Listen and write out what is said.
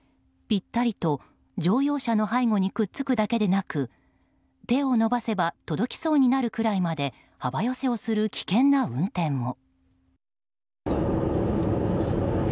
ぴったりと乗用車の背後にくっつくだけでなく手を伸ばせば届きそうになるくらいまで幅寄せをする危険な運転も。